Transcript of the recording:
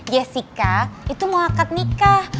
jessica itu mau akad nikah